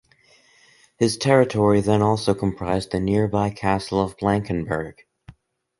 His territory then also comprised the nearby castle of Blankenburg.